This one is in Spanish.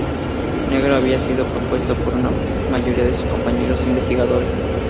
Negro había sido propuesto por una mayoría de sus compañeros investigadores.